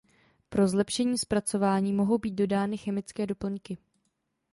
Pro zlepšení zpracování mohou být dodány chemické doplňky.